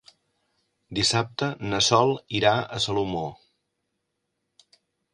Dissabte na Sol irà a Salomó.